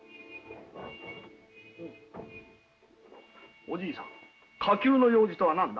おじいさん火急の用事とは何だ？